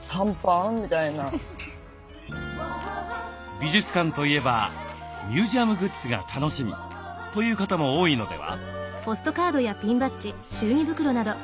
美術館といえばミュージアムグッズが楽しみという方も多いのでは？